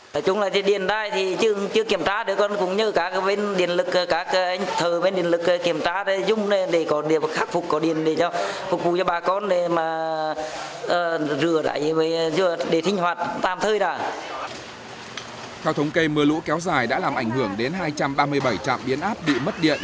theo thống kê mưa lũ kéo dài đã làm ảnh hưởng đến hai trăm ba mươi bảy trạm biến áp bị mất điện